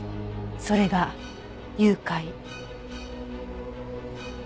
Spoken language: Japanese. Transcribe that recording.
それが誘拐。